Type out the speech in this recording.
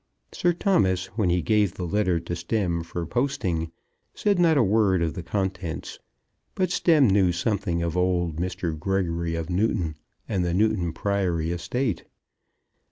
Sir Thomas, when he gave the letter to Stemm for posting, said not a word of the contents; but Stemm knew something of old Mr. Gregory Newton and the Newton Priory estate.